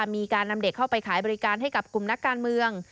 มีการนำเด็กเข้าไปขายบริการให้กับกลุ่มนักการเมือง